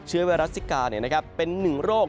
เชื้อไวรัสซิกาเป็น๑โรค